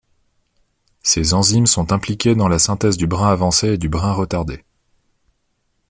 Ces enzymes sont impliquées dans la synthèse du brin avancé et du brin retardé.